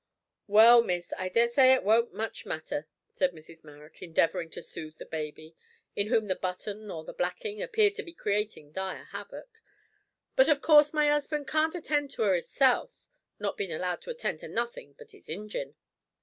"Well, Miss, I dessay it won't much matter," said Mrs Marrot, endeavouring to soothe the baby, in whom the button or the blacking appeared to be creating dire havoc; "but of course my 'usband can't attend to 'er 'isself, not bein' allowed to attend to nothink but 'is ingine.